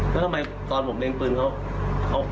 แล้วทำไมตอนผมเล็งปืนเขา